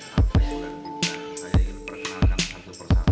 harga sudah dinda saya ingin perkenalkan satu persatu